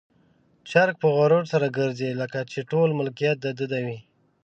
چرګ په غرور سره ګرځي، لکه چې ټول ملکيت د ده وي.